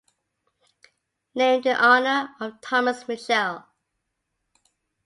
Named in honour of Thomas Mitchell.